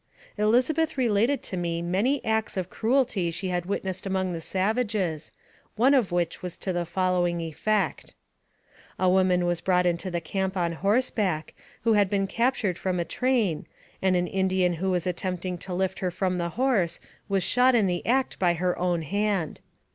Elizabeth related to me many acts of cruelty she had witnessed among the savages, one of which was to the following effect : A woman was brought into the camp on horseback, 240 NARRATIVE OF CAPTIVITY who had been captured from a train, and an Indian who was attempting to lift her from the horse, was shot in the act, by her own hand.